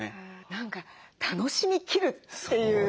何か楽しみきるっていう。